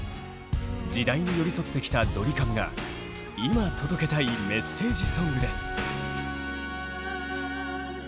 時代に寄り添ってきたドリカムが今届けたいメッセージソングです。